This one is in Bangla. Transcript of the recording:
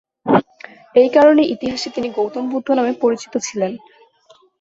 এই কারণে ইতিহাসে তিনি গৌতম বুদ্ধ নামে পরিচিত ছিলেন।